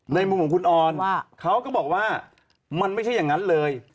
มุมของคุณออนเขาก็บอกว่ามันไม่ใช่อย่างนั้นเลย